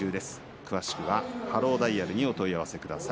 詳しくはハローダイヤルにお問い合わせください。